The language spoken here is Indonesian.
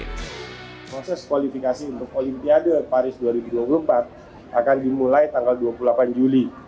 proses kualifikasi untuk olimpiade paris dua ribu dua puluh empat akan dimulai tanggal dua puluh delapan juli